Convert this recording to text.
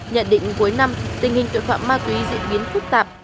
nhận định cuối năm tình hình tội phạm ma túy diễn biến phức tạp